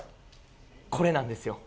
これなんですよ。